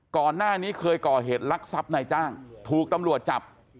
ก่อนหน้านี้เคยก่อเหตุลักษัพนายจ้างถูกตำรวจจับ